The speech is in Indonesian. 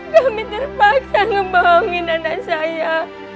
kami terpaksa ngebohongin anak saya